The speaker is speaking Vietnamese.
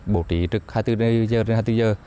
bổ trí từ hai mươi bốn h đến hai mươi bốn h